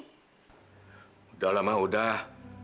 sudahlah mama sudah